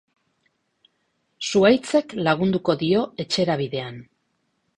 Zuhaitzek lagunduko dio etxera bidean.